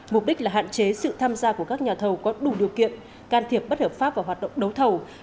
mục đích là hạn chế sự tham gia của các nhà thầu có đủ điều kiện can thiệp bất hợp pháp vào hoạt động đấu thầu